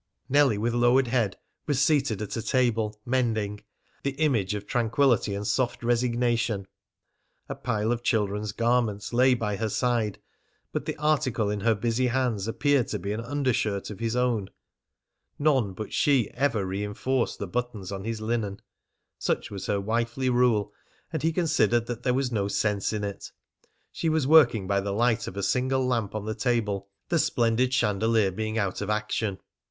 Nellie, with lowered head, was seated at a table, mending, the image of tranquillity and soft resignation. A pile of children's garments lay by her side, but the article in her busy hands appeared to be an undershirt of his own. None but she ever reinforced the buttons on his linen. Such was her wifely rule, and he considered that there was no sense in it. She was working by the light of a single lamp on the table, the splendid chandelier being out of action.